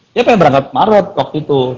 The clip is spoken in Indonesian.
dia pengen berangkat ke maret waktu itu